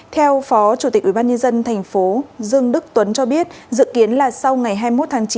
theo phó chủ tịch ubnd tp dương đức tuấn cho biết dự kiến là sau ngày hai mươi một tháng chín